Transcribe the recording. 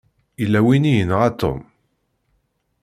Yella win i yenɣa Tom.